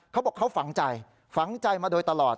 เขาบอกเขาฝังใจฝังใจมาโดยตลอด